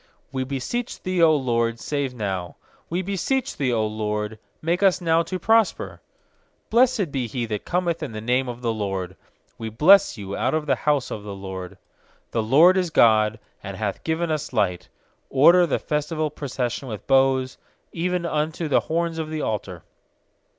25We beseech Thee, 0 LORD, save now! We beseech Thee, 0 LORD, make us now to prosper! 26Blessed be he that cometh in the name of the LORD; We bless you out of the house of the LORD. 27The LORD is God, and hath given us light; Order the festival procession with boughs, even unto the horns of the altar.